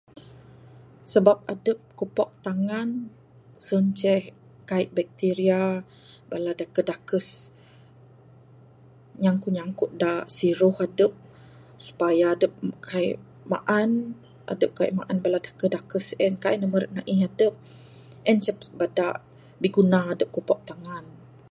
Sabab adep kupok tangan sien ceh kaik bacteria bala dakes dakes nyangkut nyangkut da siruh adep. Supaya adep kaik maan, adep kaik maan bala dakes dakes en kaik ne meret naih adep. En ceh bada biguna adep kupok tangan.